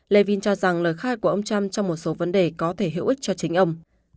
levin cho rằng lời khai của ông trump trong một số vấn đề có thể hữu ích cho chính ông